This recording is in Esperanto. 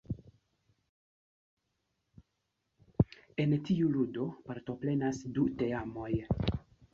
En tiu ludo partoprenas du teamoj.